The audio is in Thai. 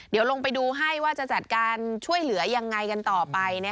เดี๋ยวลงไปดูให้ว่าจะจัดการช่วยเหลือยังไงกันต่อไป